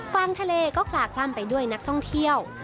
ฟังทะเลก็คลาคล่ำไปด้วยนักท่องเที่ยว